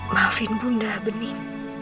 maafin bunda bening